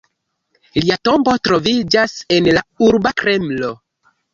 Lia tombo troviĝas en la urba Kremlo.